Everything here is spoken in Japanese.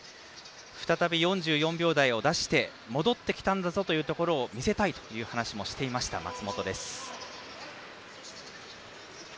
再び４４秒台を出して戻ってきたんだぞというところを見せたいという話もしていました、松元です。